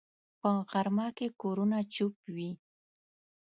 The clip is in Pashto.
په غرمه کې کورونه چوپ وي